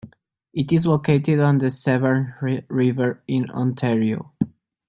It is located on the Severn River in Ontario.